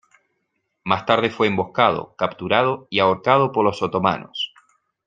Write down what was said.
Más tarde fue emboscado, capturado y ahorcado por los otomanos.